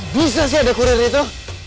bisa sih ada kuret dari itu